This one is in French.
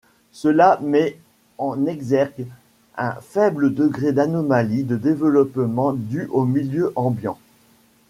Cela met en exergue un faible degré d'anomalies de développement dues au milieu ambiant.